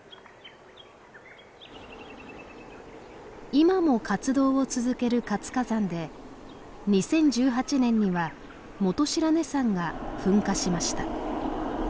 今も活動を続ける活火山で２０１８年には本白根山が噴火しました。